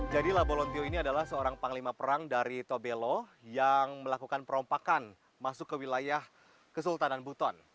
jadi la bolontio ini adalah seorang panglima perang dari tobelo yang melakukan perompakan masuk ke wilayah kesultanan buton